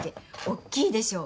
おっきいでしょ。